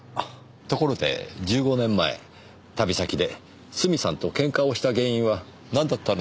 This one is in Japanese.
ところで１５年前旅先でスミさんとケンカをした原因はなんだったのでしょう？